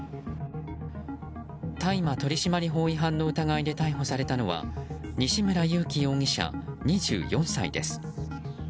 大麻取締法違反の疑いで逮捕されたのは西村雄貴容疑者、２４歳です。